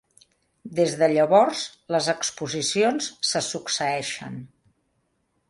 Des de llavors, les exposicions se succeeixen.